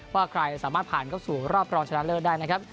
ว่าใครสามารถผ่านเข้าสู่รอบรองชนะเลิศได้นะครับ